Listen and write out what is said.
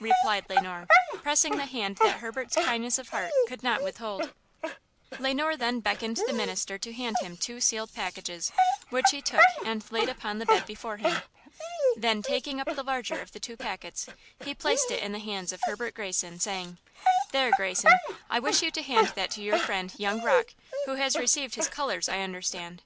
replied Le Noir, pressing the hand that Herbert's kindness of heart could not withhold. Le Noir then beckoned the minister to hand him two sealed packets, which he took and laid upon the bed before him. Then taking up the larger of the two packets, he placed it in the hands of Herbert Greyson, saying: "There, Greyson, I wish you to hand that to your friend, young Rocke, who has received his colors, I understand?"